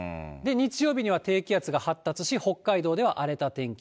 日曜日には低気圧が発達し、北海道では荒れた天気。